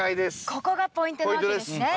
ここがポイントなわけですね。